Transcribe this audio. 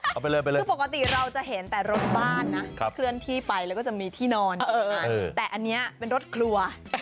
เอาไปเลยไปเลยคือปกติเราจะเห็นแต่รถบ้านนะที่เคลื่อนที่ไปแล้วก็จะมีที่นอนแต่อันนี้เป็นรถครัว